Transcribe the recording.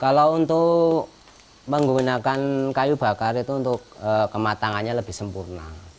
kalau untuk menggunakan kayu bakar itu untuk kematangannya lebih sempurna